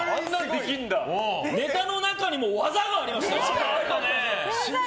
ネタの中にも技がありましたよ。